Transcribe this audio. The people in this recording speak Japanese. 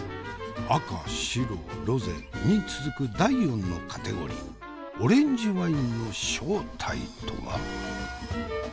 赤白ロゼに続く第４のカテゴリーオレンジワインの正体とは？